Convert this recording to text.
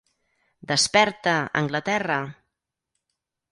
Desperta, Anglaterra!